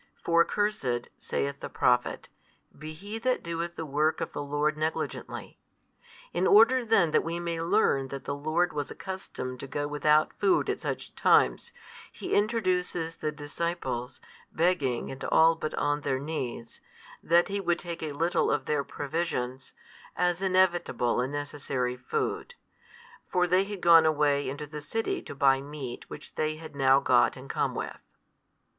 For Cursed, saith the Prophet, be he that doeth the work of the Lord negligently. In order then that we may learn that the Lord was accustomed to go without food at such times, he introduces the disciples, begging and all but on their knees, that He would take a little of their provisions, as inevitable and necessary food. For they had gone away into the city to buy meat which they had now got and come with.